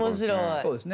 そうですね。